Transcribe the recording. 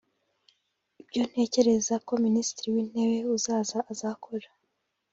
Ibyo ntekereza ko Minisitiri w’intebe uzaza azakora